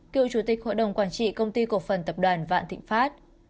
cựu chủ tịch hội đồng quản trị công ty cộng phần tập đoàn vạn thịnh phát